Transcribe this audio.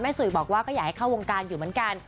สุยบอกว่าก็อยากให้เข้าวงการอยู่เหมือนกัน